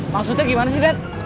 maksudnya gimana sih det